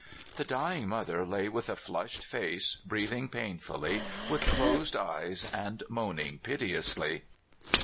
'' The dying mother lay with a flushed face, breath ing painfully, with closed eyes, and moaning pite ously.